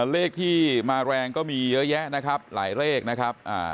เลขที่มาแรงก็มีเยอะแยะนะครับหลายเลขนะครับ